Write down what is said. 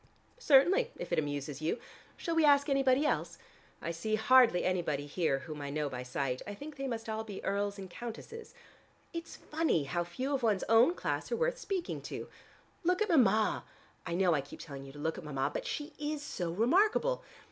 "Certainly, if it amuses you. Shall we ask anybody else? I see hardly anybody here whom I know by sight. I think they must all be earls and countesses. It's funny how few of one's own class are worth speaking to. Look at Mama! I know I keep telling you to look at Mama, but she is so remarkable.